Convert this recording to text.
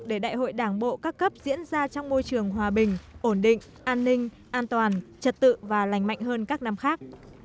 để đại hội đảng bộ các cấp diễn ra trong môi trường hòa bình ổn định an ninh an toàn trật tự và lành mạnh hơn các năm khác